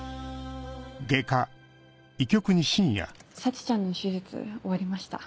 沙智ちゃんの手術終わりました。